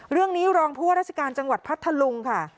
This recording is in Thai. เรื่องนี้รองภูราชการจังหวัดพัทธลุงค่ะ